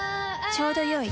ちょうどよい。